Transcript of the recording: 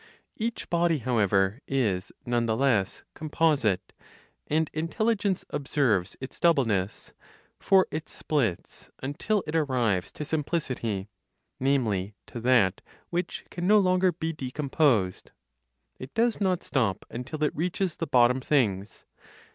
Each body, however, is none the less composite, and intelligence observes its doubleness; for it splits until it arrives to simplicity, namely, to that which can no longer be decomposed; it does not stop until it reaches the bottom things.